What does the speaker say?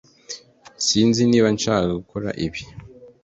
Sinzi niba nshaka gukora ibi